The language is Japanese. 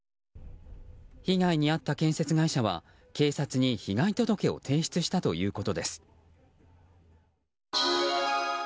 被害に遭った建設会社は、警察に被害届を提出したということです。